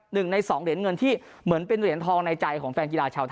หนึ่งในสองเหรียญเงินที่เหมือนเป็นเหรียญทองในใจของแฟนกีฬาชาวไทย